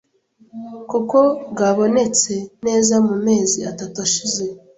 kuko bwabonetse neza mu mezi atatu ashize,